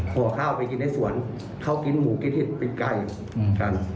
ข่อข้าวไปกินในสวนเขากินหมูกิทิตปิดไก่กัน